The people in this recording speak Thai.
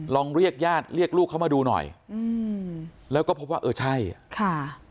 เรียกญาติเรียกลูกเขามาดูหน่อยอืมแล้วก็พบว่าเออใช่ค่ะ